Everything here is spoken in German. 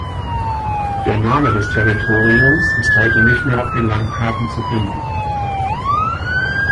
Der Name des Territoriums ist heute nicht mehr auf den Landkarten zu finden.